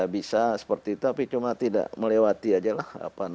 bisa seperti itu tapi cuma tidak melewati aja lah